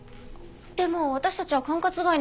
でも私たちは管轄外なんじゃ？